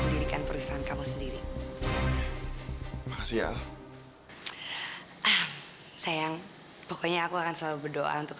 dirikan perusahaan kamu sendiri makasih ya sayang pokoknya aku akan selalu berdoa untuk